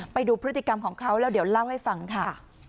ไปดูพฤติกรรมของเขาแล้วเดี๋ยวเล่าให้ฟังค่ะ